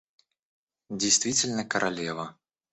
Действительно королева!